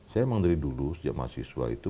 saya emang dari dulu sejak mahasiswa itu